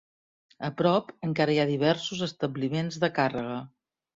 A prop, encara hi ha diversos establiments de càrrega.